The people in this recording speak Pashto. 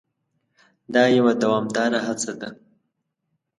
دا یوه دوامداره هڅه ده.